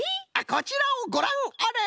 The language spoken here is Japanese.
こちらをごらんあれ！